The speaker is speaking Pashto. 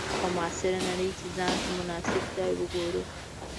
په معاصره نړۍ کې ځان ته مناسب ځای وګورو.